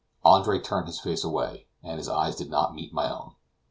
Andre turned his face away, and his eyes did not meet my own.